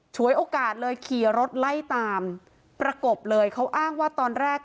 ฉวยโอกาสเลยขี่รถไล่ตามประกบเลยเขาอ้างว่าตอนแรก